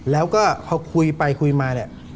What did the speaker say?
แล้วก็พอคุยไปคุยมา